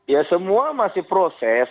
ya semua masih proses